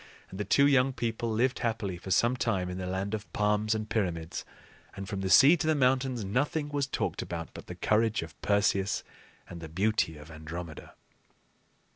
And the two young people lived happily for some time in the land of palms and pyramids; and, from the sea to the mountains, nothing was talked about but the courage of Perseus and the beauty of Andromeda.